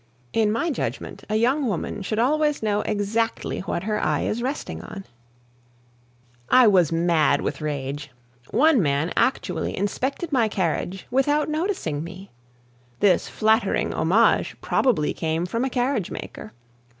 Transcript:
In my judgment, a young woman should always know exactly what her eye is resting on. I was mad with rage. One man actually inspected my carriage without noticing me. This flattering homage probably came from a carriage maker.